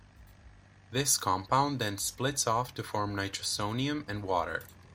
This compound then splits off to form nitrosonium and water.